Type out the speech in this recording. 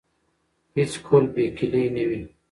هیڅ قلف بې کیلي نه وي.